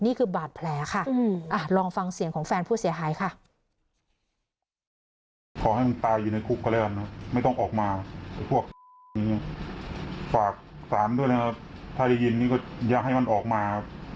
นี่คือบาดแผลค่ะลองฟังเสียงของแฟนผู้เสียหายค่ะ